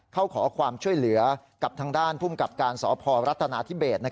เขาขอความช่วยเหลือกับทางด้านพุ่มกับการสพรัฐนาธิเบศนะครับ